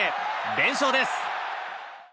連勝です。